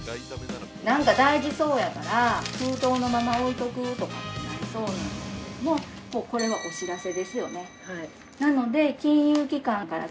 ◆なんか大事そうやから、封筒のまま置いておくとかなりそうなんやけれども、もうこれはお知らせですよね。